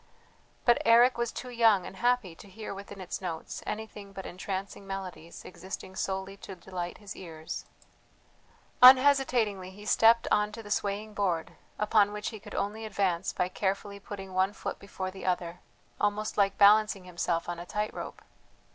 But Eric was too young and happy to hear within its notes anything but entrancing melodies existing solely to delight his ears. Unhesitatingly he stepped on to the swaying board, upon which he could only advance by carefully putting one foot before the other, almost like balancing himself on a tight rope.